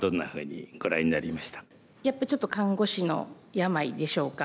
やっぱちょっと看護師の病でしょうか。